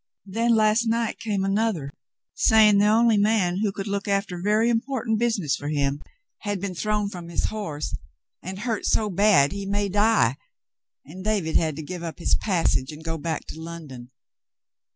Then last night came another saying the only man who could look after very important business for him had been thrown from his horse and hurt so bad he may die, and David had to give up his passage and go back to London.